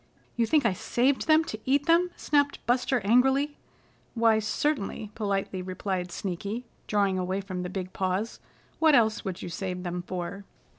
"You think I saved them to eat them?" snapped Buster angrily. "Why, certainly," politely replied Sneaky drawing away from the big paws. "What else would you save them for?"